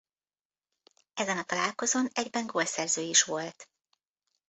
Ezen a találkozón egyben gólszerző is volt.